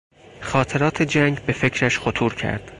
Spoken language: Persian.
خاطرات جنگ به فکرش خطور کرد.